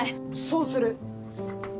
そうする。